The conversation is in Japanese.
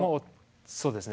そうですね。